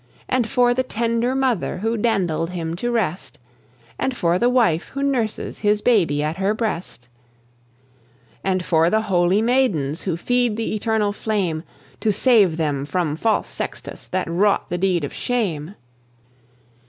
"And for the tender mother Who dandled him to rest, And for the wife who nurses His baby at her breast, And for the holy maidens Who feed the eternal flame, To save them from false Sextus That wrought the deed of shame?